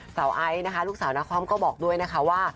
ไอซ์นะคะลูกสาวนาคอมก็บอกด้วยนะคะว่า